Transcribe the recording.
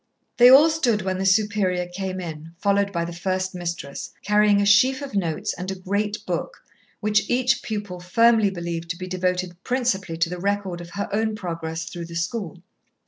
They all stood when the Superior came in, followed by the First Mistress, carrying a sheaf of notes and a great book, which each pupil firmly believed to be devoted principally to the record of her own progress through the school.